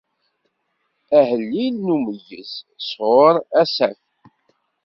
Ahellil n umeyyez, sɣur Asaf.